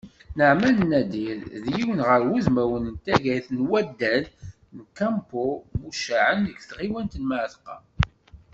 Naɛman Nadir, d yiwen gar wudmawen n taggayt n waddal n Kempo muccaεen deg tɣiwant n Mεatqa.